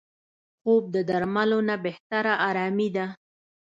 خوب د درملو نه بهتره آرامي ده